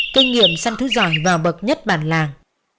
kinh nghiệm săn thứ giỏi và bậc nhất bản làng